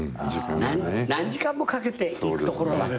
何時間もかけて行く所だった。